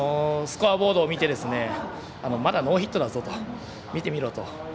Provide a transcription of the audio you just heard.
スコアボードを見てまだノーヒットだぞと見てみろと。